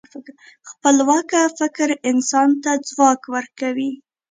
خپلواکه فکر انسان ته ځواک ورکوي.